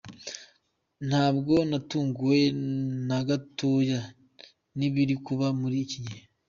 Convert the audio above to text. Ntabwo natunguwe na gatoya n’ibiri kuba muri iki gihe.